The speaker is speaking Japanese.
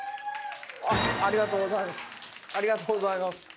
ありがとうございます。